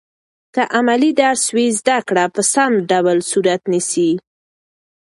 که عملي درس وي، زده کړه په سم ډول صورت نیسي.